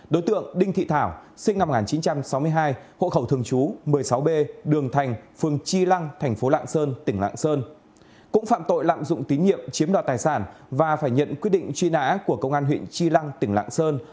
đối tượng đinh thị thảo sinh năm một nghìn chín trăm sáu mươi hai hộ khẩu thường trú một mươi sáu b đường thành phường chi lăng thành phố lạng sơn tỉnh lạng sơn